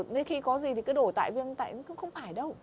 nên khi có gì thì cứ đổi tại viêm tại cũng không phải đâu